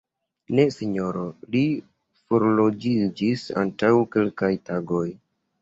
Ne Sinjoro, li forloĝiĝis antaŭ kelkaj tagoj.